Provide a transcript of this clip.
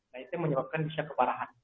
nah itu yang menyebabkan bisa keparahan